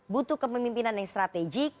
butuh kepemimpinan yang strategik